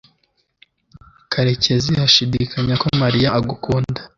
karekezi ashidikanya ko mariya agukunda